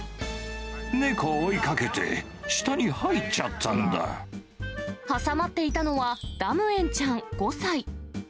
猫を追いかけて、挟まっていたのは、ダムエンちゃん５歳。